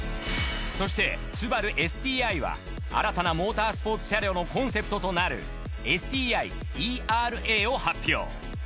そしてスバルＳＴＩは新たなモータースポーツ車両のコンセプトとなるＳＴＩＥ−ＲＡを発表。